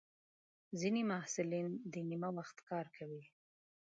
ځینې محصلین د نیمه وخت کار کوي.